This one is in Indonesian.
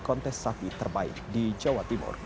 kontes sapi terbaik di jawa timur